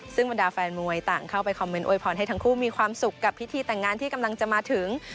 ซึ่งบรรดาแฟนมวยต่างเข้าไปคอมเมนต์โวยพรให้ทั้งคู่มีความสุขกับพิธีแต่งงานที่กำลังจะมาถึง